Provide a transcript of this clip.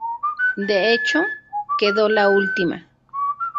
De hecho, quedó la última.